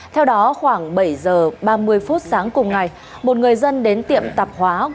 theo đó khoảng bảy giờ ba mươi phút sáng cùng ngày một người dân đến tiệm tạp hóa